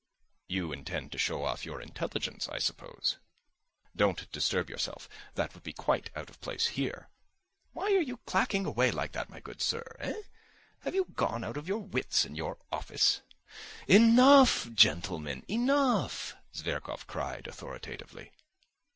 "You intend to show off your intelligence, I suppose?" "Don't disturb yourself, that would be quite out of place here." "Why are you clacking away like that, my good sir, eh? Have you gone out of your wits in your office?" "Enough, gentlemen, enough!" Zverkov cried, authoritatively.